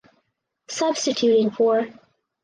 Substituting for